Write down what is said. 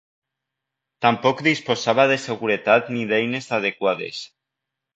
Tampoc disposava de seguretat ni d'eines adequades.